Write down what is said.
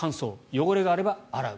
汚れがあれば洗う。